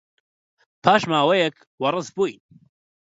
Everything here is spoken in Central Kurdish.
پاش ماوەیەک وەڕەس بووین.